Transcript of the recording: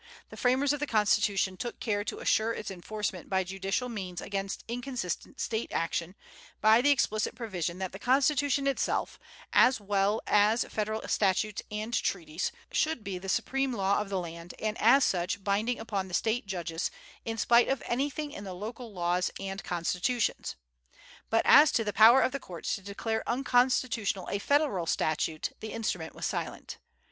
The framers of the Constitution took care to assure its enforcement by judicial means against inconsistent State action, by the explicit provision that the Constitution itself, as well as Federal statutes and treaties, should be the "supreme law" of the land, and as such binding upon the State judges, in spite of anything in the local laws and constitutions. But as to the power of the courts to declare unconstitutional a Federal statute, the instrument was silent.